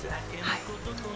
はい。